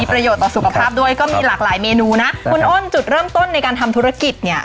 ประโยชน์ต่อสุขภาพด้วยก็มีหลากหลายเมนูนะคุณอ้นจุดเริ่มต้นในการทำธุรกิจเนี่ย